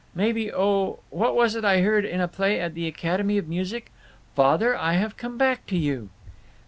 Maybe oh, what was it I heard in a play at the Academy of Music? 'Father, I have come back to you!